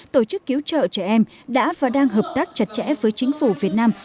tổ chức cứu trợ trẻ em đã và đang hợp tác chặt chẽ với chính phủ việt nam